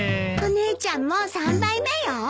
お姉ちゃんもう３杯目よ。